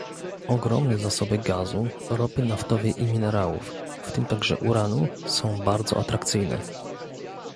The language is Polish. Ogromne zasoby gazu, ropy naftowej i minerałów, w tym także uranu, są bardzo atrakcyjne